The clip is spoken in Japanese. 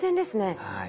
はい。